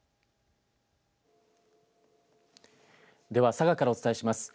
佐賀からお伝えします。